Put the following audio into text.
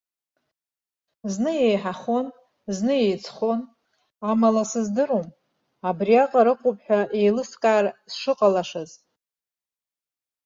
Зны еиҳахон, зны еиҵахон, амала, сыздыруам, абриаҟара ыҟоуп ҳәа еилыскаар сшыҟалашаз.